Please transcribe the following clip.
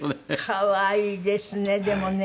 可愛いですねでもね。